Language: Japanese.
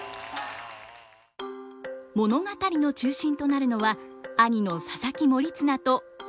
物語の中心となるのは兄の佐々木盛綱と弟の高綱。